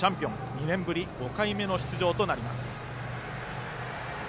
２年ぶり５回目の出場となります。